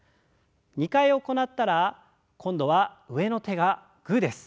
２回行ったら今度は上の手がグーです。